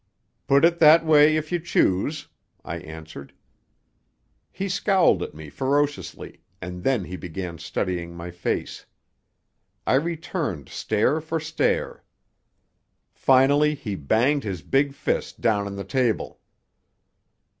"Put it that way if you choose," I answered. He scowled at me ferociously, and then he began studying my face. I returned stare for stare. Finally he banged his big fist down upon the table.